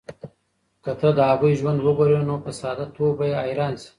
که ته د هغوی ژوند وګورې، نو په ساده توب به یې حیران شې.